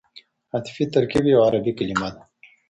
عطفي ترکیب یوه عربي کلیمه ده.